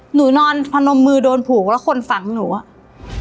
หนูนอนพนมมือโดนผูกแล้วคนฝังหนูอ่ะ